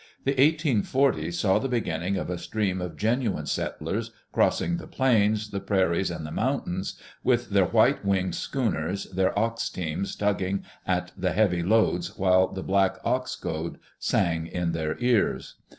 The 1 840s saw the beginning of a stream of genuine settlers crossing the plains, the prairies, and the mountains, with their white winged schooners, their ox teams tugging at the heavy loads while the black ox goad sang in their cars.